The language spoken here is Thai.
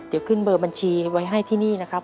เดี๋ยวขึ้นเบอร์บัญชีไว้ให้ที่นี่นะครับ